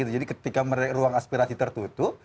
jadi ketika ruang aspirasi tertutup